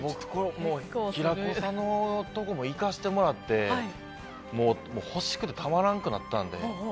平子さんのところ行かせてもらってもう欲しくてたまらんくなったので。